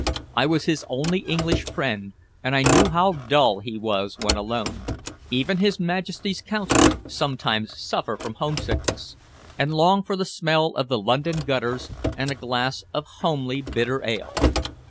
I was his only English friend, and I knew how dull he was when alone. Even his Majesty's Consuls sometimes suffer from homesickness, and long for the smell of the London gutters and a glass of homely bitter ale.